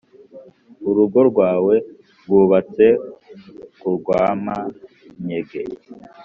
urugo rwawe rwubatse ku rwama-nyege